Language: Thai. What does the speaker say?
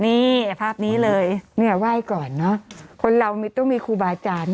นี่ภาพนี้เลยเนี่ยไหว้ก่อนเนอะคนเราต้องมีครูบาอาจารย์